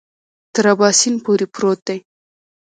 تر اباسین پورې پروت دی.